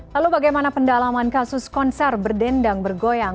lalu bagaimana pendalaman kasus konser berdendang bergoyang